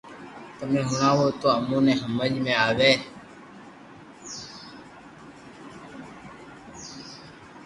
تمي ھڻاوہ تو امو ني ھمج ۾ آوي